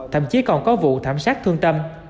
thậm chí còn có vụ thảm sát thương tâm